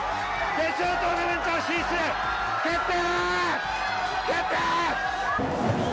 決勝トーナメント進出決定！